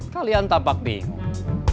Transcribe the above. kalian tampak bingung